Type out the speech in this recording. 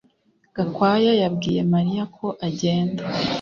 Gakwaya yabwiye Mariya ko agenda